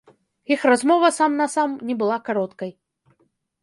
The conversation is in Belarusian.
Іх размова сам на сам не была кароткай.